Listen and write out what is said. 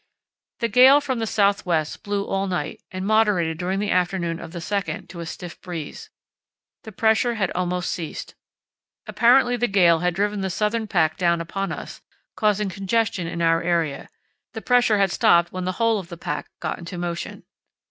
The gale from the south west blew all night and moderated during the afternoon of the 2nd to a stiff breeze. The pressure had almost ceased. Apparently the gale had driven the southern pack down upon us, causing congestion in our area; the pressure had stopped when the whole of the pack got into motion.